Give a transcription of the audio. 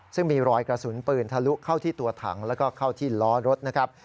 ซึ่งมีรอยกระสุนปืนทะลุเข้าที่ตัวถังแล้วก็เข้าที่ล้อรถนะครับ